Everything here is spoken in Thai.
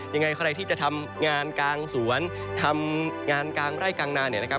ยังไงใครที่จะทำงานกลางสวนทำงานกลางไร่กลางนาเนี่ยนะครับ